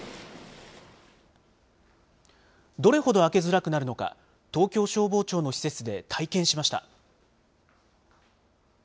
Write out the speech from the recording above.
どれほど開けづらくなるのか、東京消防庁の施設で体験しました。